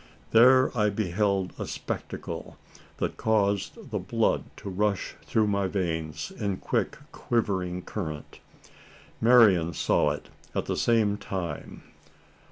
There I beheld a spectacle that caused the blood to rush through my veins in quick quivering current. Marian saw it at the same time.